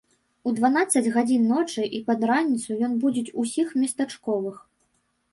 У дванаццаць гадзін ночы і пад раніцу ён будзіць усіх местачковых.